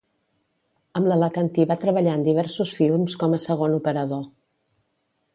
Amb l’alacantí va treballar en diversos films com a segon operador.